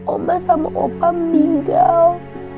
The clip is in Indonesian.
oma sama opa meninggal